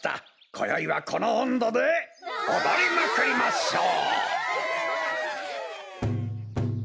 こよいはこのおんどでおどりまくりましょう！